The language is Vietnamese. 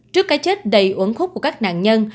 trước cái chết đầy uốn khúc của các nạn nhân